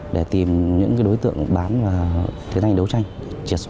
để tìm những đối tượng bán và tiến hành đấu tranh triệt xóa